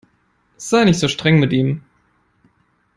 Sei nicht so streng mit ihm!